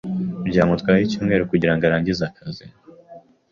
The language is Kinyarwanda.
Byamutwaye icyumweru kugirango arangize akazi.